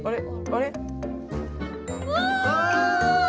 あれ？